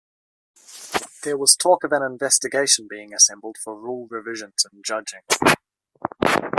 There was talk of an investigation being assembled for rule revisions in judging.